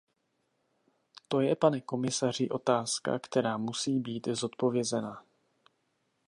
To je, pane komisaři, otázka, která musí být zodpovězena.